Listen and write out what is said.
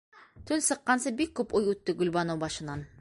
Төн сыҡҡансы бик күп уй үтте Гөлбаныу башынан.